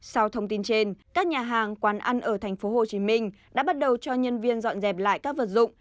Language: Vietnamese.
sau thông tin trên các nhà hàng quán ăn ở thành phố hồ chí minh đã bắt đầu cho nhân viên dọn dẹp lại các vật dụng